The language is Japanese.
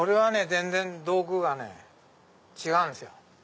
全然道具が違うんですよ。